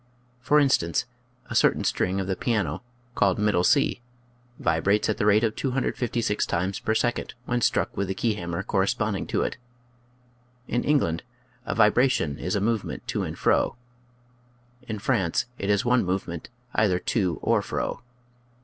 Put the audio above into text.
For instance, a certain string of the piano, called middle C, vibrates at the rate of 256 times per second when struck with the key hammer corresponding to it. (In England a " vibration " is a movement to and fro. In France, it is one movement either to or fro.)